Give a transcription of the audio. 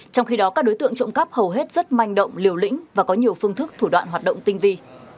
trong khi đó các đối tượng trộm cắp hầu hết rất manh động liều lĩnh và có nhiều phương thức thủ đoạn hoạt động tinh vi